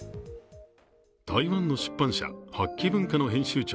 台湾の出版社、八旗文化の編集長